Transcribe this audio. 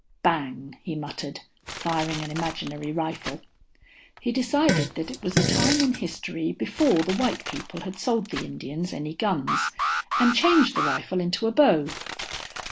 "Bang," he muttered, firing an imaginary rifle. He decided that it was a time in history before the white people had sold the Indians any guns, and changed the rifle into a bow.